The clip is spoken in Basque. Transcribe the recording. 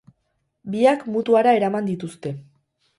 Biak mutuara eraman dituzte.